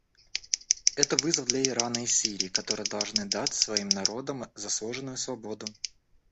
Это вызов для Ирана и Сирии, которые должны дать своим народам заслуженную свободу.